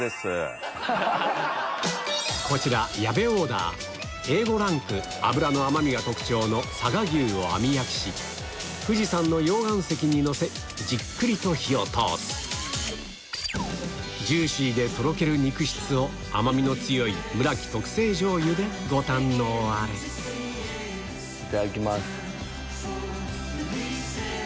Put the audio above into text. こちら矢部オーダーＡ５ランク脂の甘みが特徴の佐賀牛を網焼きし富士山の溶岩石にのせじっくりと火を通すジューシーでとろける肉質を甘みの強いむらき特製じょうゆでご堪能あれいただきます。